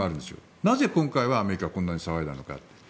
なぜ今回はアメリカはこんなに騒いだのか。